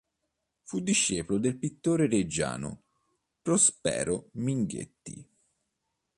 Fu discepolo del pittore reggiano Prospero Minghetti.